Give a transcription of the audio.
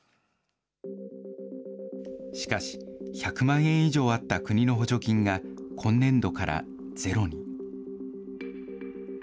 しかし、１００万円以上あった国の補助金が、今年度からゼロに。